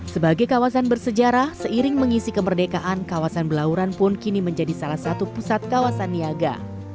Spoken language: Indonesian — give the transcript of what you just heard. sebagai kawasan bersejarah seiring mengisi kemerdekaan kawasan belauran pun kini menjadi salah satu pusat kawasan niaga